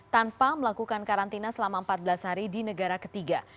tanpa melakukan karantina selama empat belas hari di negara ketiga